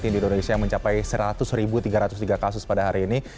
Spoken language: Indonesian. di indonesia yang mencapai seratus tiga ratus tiga kasus pada hari ini